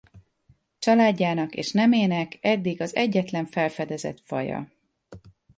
Családjának és nemének eddig az egyetlen felfedezett faja.